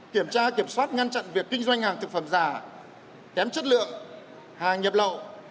kiểm tra kiểm soát ngăn chặn việc kinh doanh hàng thực phẩm giả kém chất lượng hàng nhập lậu